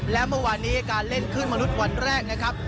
และเมื่อวานนี้การเล่นขึ้นมนุษย์วันแรกนะครับ